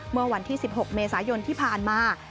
เมื่อวันที่๑๖เมษายนที่ผ่านมา